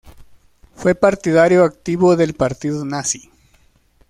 Fue partidario activo del partido nazi.